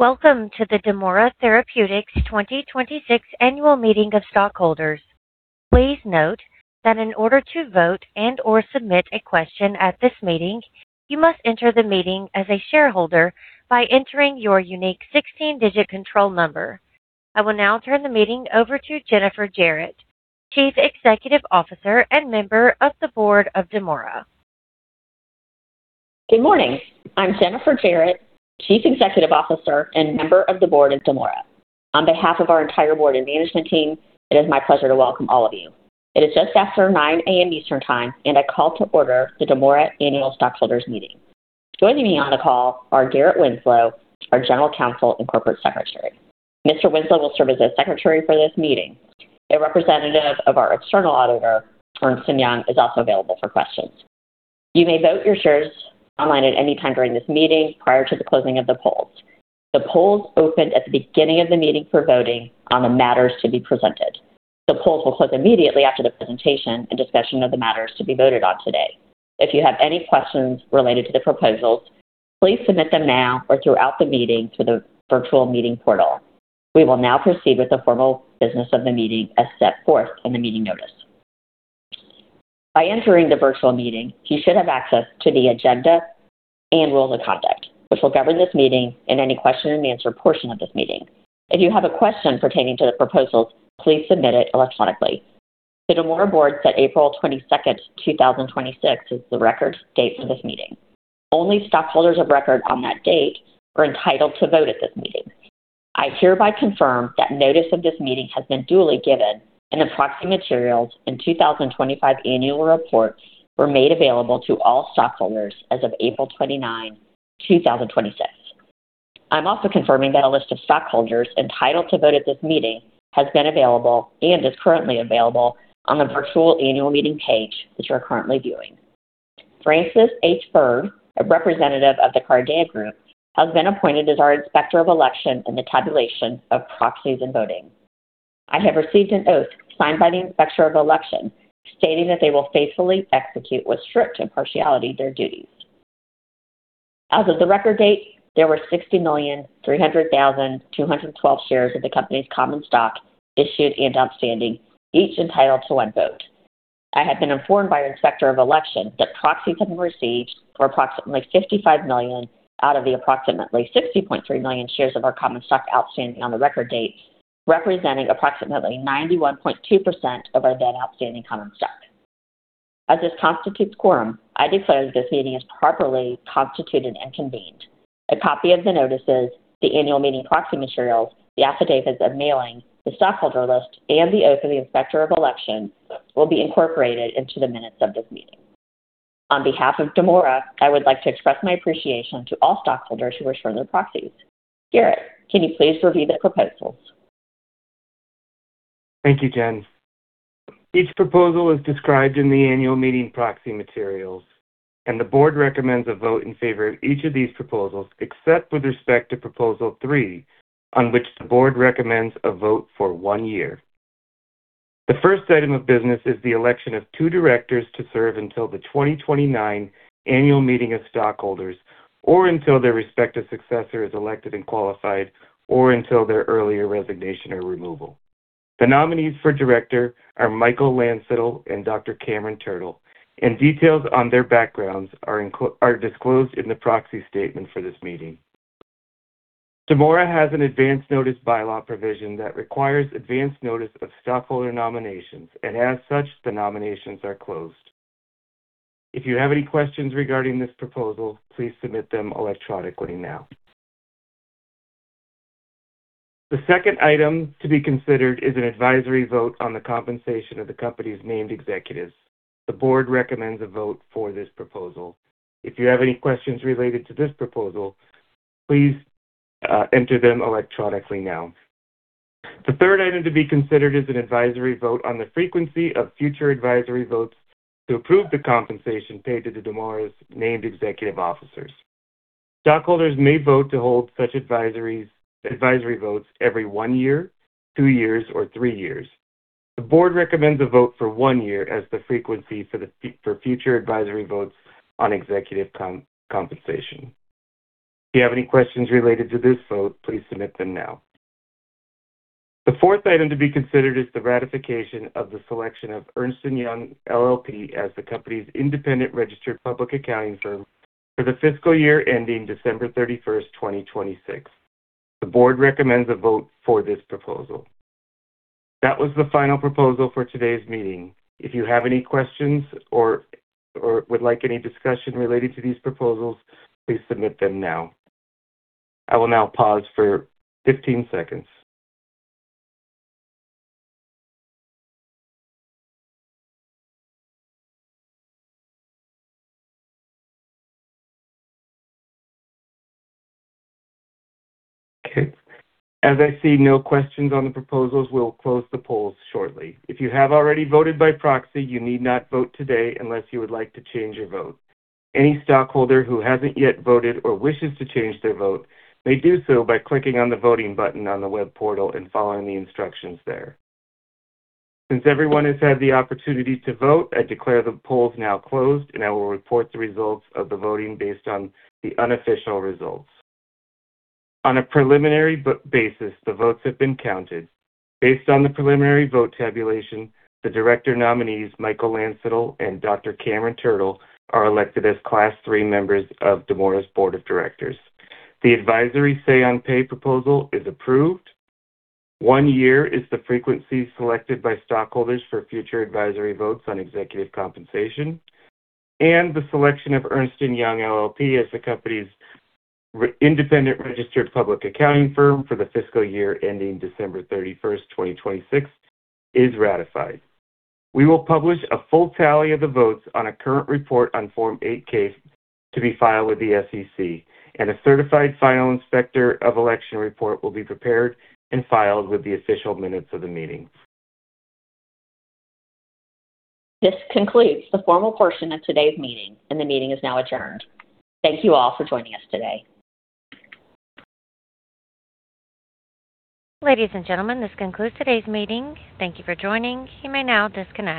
Welcome to the Damora Therapeutics 2026 Annual Meeting of Stockholders. Please note that in order to vote and/or submit a question at this meeting, you must enter the meeting as a shareholder by entering your unique 16-digit control number. I will now turn the meeting over to Jennifer Jarrett, Chief Executive Officer and member of the board of Damora. Good morning. I'm Jennifer Jarrett, Chief Executive Officer and member of the board of Damora. On behalf of our entire board and management team, it is my pleasure to welcome all of you. It is just after 9:00 A.M. Eastern Time, I call to order the Damora Annual Stockholders' Meeting. Joining me on the call are Garrett Winslow, our General Counsel and Corporate Secretary. Mr. Winslow will serve as Secretary for this meeting. A representative of our external auditor, Ernst & Young, is also available for questions. You may vote your shares online at any time during this meeting prior to the closing of the polls. The polls opened at the beginning of the meeting for voting on the matters to be presented. The polls will close immediately after the presentation and discussion of the matters to be voted on today. If you have any questions related to the proposals, please submit them now or throughout the meeting to the virtual meeting portal. We will now proceed with the formal business of the meeting as set forth in the meeting notice. By entering the virtual meeting, you should have access to the agenda and rules of conduct, which will govern this meeting and any question and answer portion of this meeting. If you have a question pertaining to the proposals, please submit it electronically. The Damora board set April 22nd, 2026, as the record date for this meeting. Only stockholders of record on that date are entitled to vote at this meeting. I hereby confirm that notice of this meeting has been duly given, and the proxy materials and 2025 annual reports were made available to all stockholders as of April 29th, 2026. I'm also confirming that a list of stockholders entitled to vote at this meeting has been available and is currently available on the virtual annual meeting page that you are currently viewing. Francis H. Bird, a representative of the Cardea Group, has been appointed as our Inspector of Election in the tabulation of proxies and voting. I have received an oath signed by the Inspector of Election, stating that they will faithfully execute with strict impartiality their duties. As of the record date, there were 60,300,212 shares of the company's common stock issued and outstanding, each entitled to one vote. I have been informed by our Inspector of Election that proxies have been received for approximately $55 million out of the approximately $60.3 million shares of our common stock outstanding on the record date, representing approximately 91.2% of our then outstanding common stock. As this constitutes quorum, I declare this meeting is properly constituted and convened. A copy of the notices, the annual meeting proxy materials, the affidavits of mailing, the stockholder list, and the oath of the Inspector of Election will be incorporated into the minutes of this meeting. On behalf of Damora, I would like to express my appreciation to all stockholders who returned their proxies. Garrett, can you please review the proposals? Thank you, Jen. Each proposal is described in the annual meeting proxy materials, and the board recommends a vote in favor of each of these proposals, except with respect to proposal three, on which the board recommends a vote for one year. The first item of business is the election of two directors to serve until the 2029 annual meeting of stockholders or until their respective successor is elected and qualified, or until their earlier resignation or removal. The nominees for director are Michael Landsittel and Dr. Cameron Turtle, and details on their backgrounds are disclosed in the proxy statement for this meeting. Damora has an advanced notice bylaw provision that requires advanced notice of stockholder nominations. As such, the nominations are closed. If you have any questions regarding this proposal, please submit them electronically now. The second item to be considered is an advisory vote on the compensation of the company's named executives. The board recommends a vote for this proposal. If you have any questions related to this proposal, please enter them electronically now. The third item to be considered is an advisory vote on the frequency of future advisory votes to approve the compensation paid to Damora's named executive officers. Stockholders may vote to hold such advisory votes every one year, two years, or three years. The board recommends a vote for one year as the frequency for future advisory votes on executive compensation. If you have any questions related to this vote, please submit them now. The fourth item to be considered is the ratification of the selection of Ernst & Young LLP as the company's independent registered public accounting firm for the fiscal year ending December 31st, 2026. The board recommends a vote for this proposal. That was the final proposal for today's meeting. If you have any questions or would like any discussion related to these proposals, please submit them now. I will now pause for 15 seconds. Okay. As I see no questions on the proposals, we'll close the polls shortly. If you have already voted by proxy, you need not vote today unless you would like to change your vote. Any stockholder who hasn't yet voted or wishes to change their vote may do so by clicking on the voting button on the web portal and following the instructions there. Since everyone has had the opportunity to vote, I declare the polls now closed, and I will report the results of the voting based on the unofficial results. On a preliminary basis, the votes have been counted. Based on the preliminary vote tabulation, the director nominees, Michael Landsittel and Dr. Cameron Turtle, are elected as Class III members of Damora's Board of Directors. The advisory say on pay proposal is approved. One year is the frequency selected by stockholders for future advisory votes on executive compensation, and the selection of Ernst & Young LLP as the company's independent registered public accounting firm for the fiscal year ending December 31st, 2026, is ratified. We will publish a full tally of the votes on a current report on Form 8-K to be filed with the SEC, and a certified final Inspector of Election report will be prepared and filed with the official minutes of the meeting. This concludes the formal portion of today's meeting. The meeting is now adjourned. Thank you all for joining us today. Ladies and gentlemen, this concludes today's meeting. Thank you for joining. You may now disconnect.